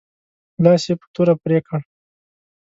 لاس یې په توره پرې کړ.